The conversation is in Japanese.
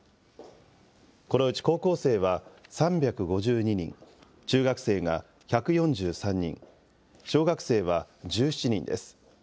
このうち高校生は３５２人、中学生が１４３人、小学生は１７人です。